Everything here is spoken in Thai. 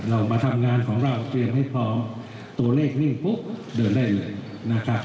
เรามาทำงานของเราเตรียมให้พอตัวเลขนี้ปุ๊บเดินได้เลยนะครับ